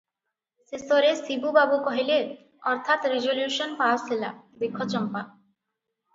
ଶେଷରେ ଶିବୁ ବାବୁ କହିଲେ, ଅର୍ଥାତ୍ ରିଜଲ୍ୟୁଶନ୍ ପାସ ହେଲା - "ଦେଖ ଚମ୍ପା!